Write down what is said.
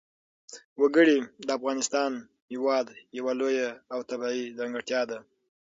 وګړي د افغانستان هېواد یوه لویه او طبیعي ځانګړتیا ده.